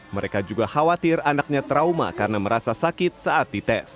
mereka juga khawatir anaknya trauma karena merasa sakit saat dites